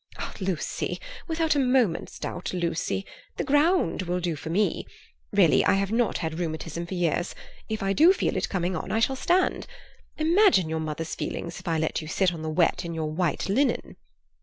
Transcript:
"Lucy; without a moment's doubt, Lucy. The ground will do for me. Really I have not had rheumatism for years. If I do feel it coming on I shall stand. Imagine your mother's feelings if I let you sit in the wet in your white linen."